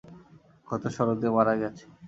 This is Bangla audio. গত শরতে মারা গেছে।